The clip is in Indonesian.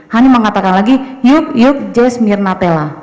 hany mengatakan lagi yuk yuk jes mirna tela